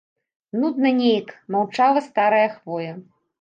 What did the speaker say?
Нудна неяк маўчала старая хвоя.